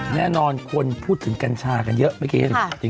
แน่นอนคนพูดถึงกัญชากันเยอะเมื่อกี้